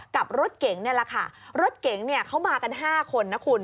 กับรถเก๋งนี่แหละค่ะรถเก๋งเนี่ยเขามากัน๕คนนะคุณ